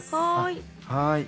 はい。